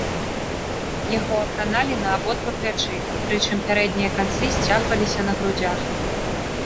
Яго апраналі на абодва плячы, прычым пярэднія канцы сцягваліся на грудзях.